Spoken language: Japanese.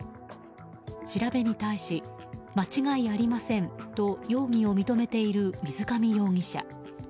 調べに対し、間違いありませんと容疑を認めている水上容疑者。